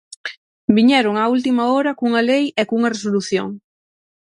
Viñeron á última hora cunha lei e cunha resolución.